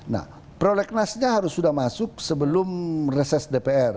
nah prolegnasnya harus sudah masuk sebelum reses dpr